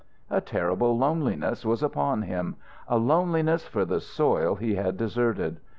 A terrible loneliness was upon him; a loneliness for the soil he had deserted.